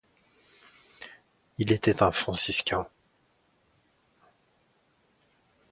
Il était un franciscain.